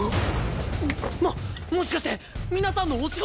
ももしかして皆さんのお仕事って。